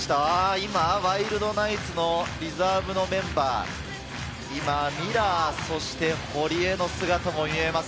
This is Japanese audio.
今、ワイルドナイツのリザーブのメンバー、ミラー、堀江の姿も見えます。